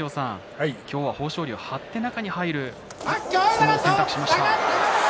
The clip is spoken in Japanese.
今日は豊昇龍、張って中に入る相撲を選択しました。